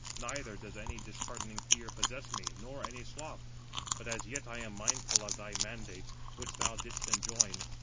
Neither does any disheartening fear possess me, nor any sloth: but as yet I am mindful of thy mandates, which thou didst enjoin.